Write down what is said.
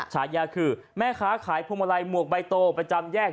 ฉายาคือแม่ค้าขายพวงมาลัยหมวกใบโตประจำแยก